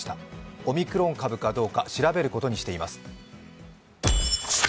オミクロン株かどうか調べることにしています。